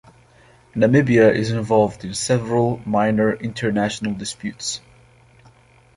Namibia is involved in several minor international disputes.